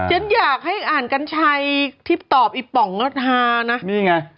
ฉันอยากให้อ่านกันชัยที่ตอบนี่ป่องและทาน่ะ